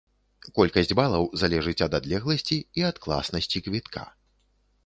Колькасць балаў залежыць ад адлегласці і ад класнасці квітка.